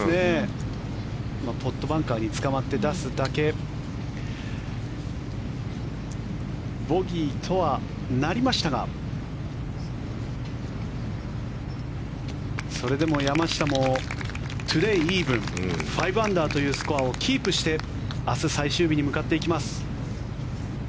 ポットバンカーにつかまって出すだけボギーとはなりましたがそれでも山下もトゥデーイーブン、５アンダーというスコアをキープして明日、最終日に向かっていきます。